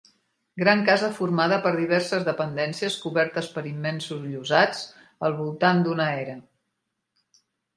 Gran casa formada per diverses dependències cobertes per immensos llosats, al voltant d'una era.